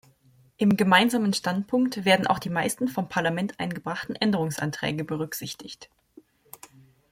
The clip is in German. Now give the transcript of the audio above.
Im Gemeinsamen Standpunkt werden auch die meisten vom Parlament eingebrachten Änderungsanträge berücksichtigt.